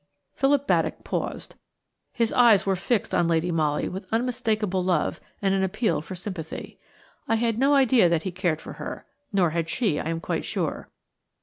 Philip Baddock paused. His eyes were fixed on Lady Molly with unmistakable love and an appeal for sympathy. I had no idea that he cared for her–nor had she, I am quite sure.